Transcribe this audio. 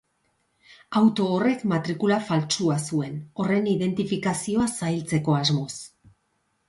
Auto horrek matrikula faltsua zuen, horren identifikazioa zailtzeko asmoz.